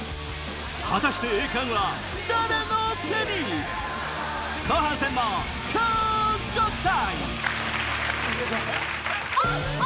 果たして栄冠は誰の手に⁉後半戦も乞うご期待！